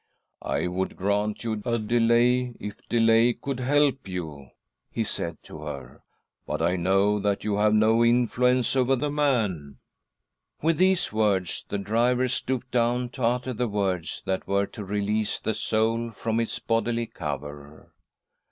" I would grant you a delay, if delay could help ''.'■•'•'•. SISTER EDITH PLEADS WITH DEATH 127 you," he said to her, " but I know that you have no influence over the man." With. these words, the driver stooped down to utter the words that were to release the soul from its bodily cover.